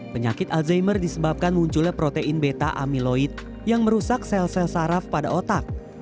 penyakit alzheimer disebabkan munculnya protein beta amiloid yang merusak sel sel saraf pada otak